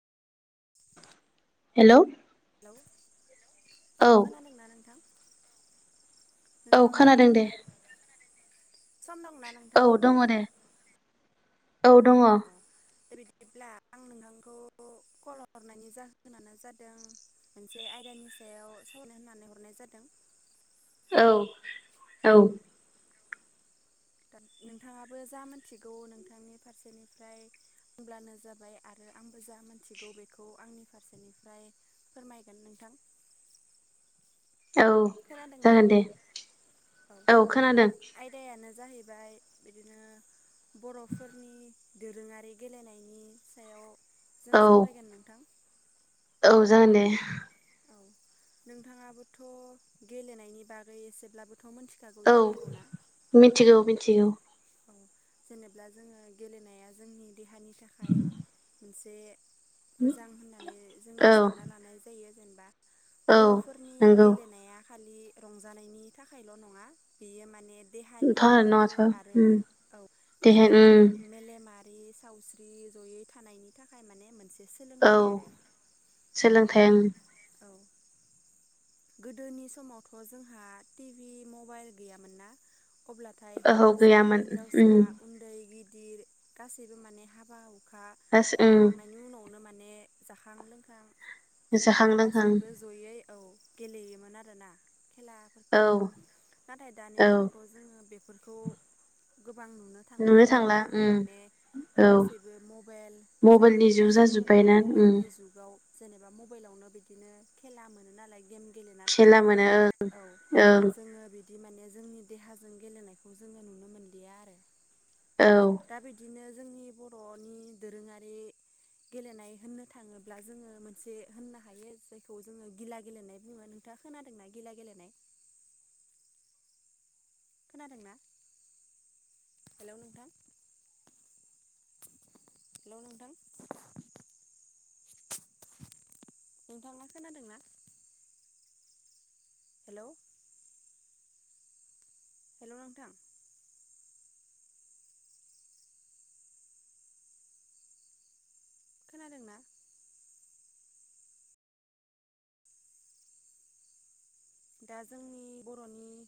हेल' hello hello औ खोनादोंना नोंथां औ नोंथाङा खम खोनादों दे दंना सम दंना औ नोंथां दङ दे औ दङ अ दे बिदिब्ला आं नोंथांखौ कल हरनायनि जाहोनानो जादों मोनसे आयदानि सायाव सावरायनो होननानै हरनाय जादों [inaudible] औ औ दा नोंथाङाबो जा मिथिगौ नोंथांनि फारसेनिफ्राय होनब्लानो जाबाय आरो आंबो जा मोनथिगौ बेखौ आंनि फारसेनिफ्राय फोरमायगोन नोंथां [inaudible] औ खोनादोंना जागोन दे औ खोनादों आयदायानो जाहैबाय बिदिनो बर'फोरनि दोरोङारि गेलेनायनि सायाव जों औ सावरायगोन नोंथां औ जागोन दे औ नोंथाङाबोथ' गेलेनायनि बागै एसेब्लाबो औ मिथिगौ मिथिगौ औ जेनेब्ला जोङो गेलेनाया जोंनि देहानि थाखाय मोनसे मोजां होननानै जोङो औ सानना लानाय जायो जेनेबा औ बर'फोरनि नंगौ गेलेनाया खालि रंजानायनि थाखायल' नङा बेयो माने देहानि थार बोलो नङाथ' आ- उम [unintelligible] उम मारि सावस्रि जयै थानायनि थाखाय माने मोनसे औ सोलोंथाइ आरो ओफ्राय सोलोंथाइ ओं औ गोदोनि समावथ' जोंहा टिभि मबाइल गैयामोन ना अब्लाथाय ओहो हौवा गैयामोन उम [unintelligible] गासैबो माने हाबा हुखा गास उम मावखांनायनि उनावनो मा ने जाखां लोंखां जाखां जेनेबा लोंखां गासैबो जयै औ गेलेयोमोन आरोना औ खेलाफोरखौनो नाथाय दानि औ दिनावथ' जोङो बे फोरखौ गोबां नुनो थांलिया दानि थांला दिनाव उम माने औ गासैबो मबाइलजोंनो मबाइलनि जुग थाजोबो औ जाजोब्बायना उम मबाइलनि जुगाव जेनेबा मबाइलावनो बिदिनो खेला मोनो नालाय गेम गेलेना खेला थायो मोनो ओ औ ओं जोङो बि दि माने जोंनि देहाजों गेलेनायखौ जोङो नुनो मोनलिया आरो। औ दा बिदिनो जोंनि बर'नि दोरोङारि गेलेनाय होननो थाङोब्ला जोङो मोनसे होननो हायो जायखौ जोङो गिला गेलेनाय बुङो नों थांआ खोनादोंना गिला गेलेनाय खोनादोंना हेलौ नोंथां हेलौ नोंथां नोंथांङा खोनादोंना हेलौ हेलौ नोंथां खोनादोंना दा जोंनि बर'नि